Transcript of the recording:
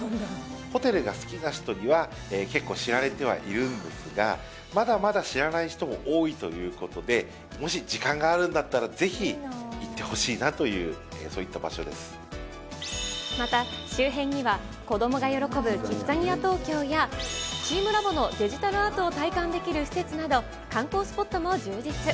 ホテルが好きな人には、結構、知られてはいるんですが、まだまだ知らない人も多いということで、もし時間があるんだったらぜひ行ってほしいなという、そういったまた、周辺には子どもが喜ぶキッザニア東京や、チームラボのデジタルアートを体感できる施設など、観光スポットも充実。